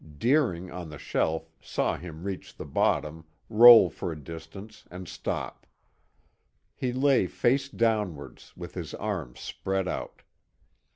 Deering, on the shelf, saw him reach the bottom, roll for a distance and stop. He lay face downwards, with his arms spread out.